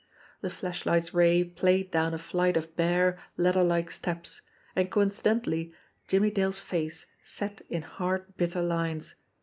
The flashlight's ray played down a flight of bare, ladder like steps and coincidentally Jimmie Dale's face set in hard, bitter lines.